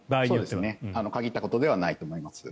限ったことではないと思います。